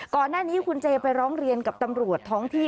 ก่อนหน้านี้คุณเจไปร้องเรียนกับตำรวจท้องที่